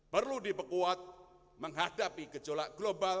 perlu diperkuat menghadapi gejolak global